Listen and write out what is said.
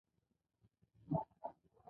باغداري د ځمکې ابادي ده.